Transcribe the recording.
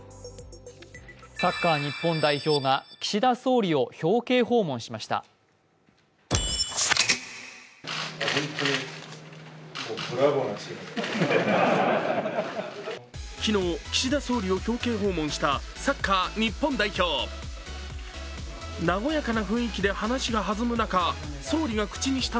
サッカー日本代表が岸田総理を表敬訪問しました。